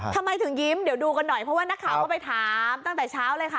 ทำไมถึงยิ้มเดี๋ยวดูกันหน่อยเพราะว่านักข่าวก็ไปถามตั้งแต่เช้าเลยค่ะ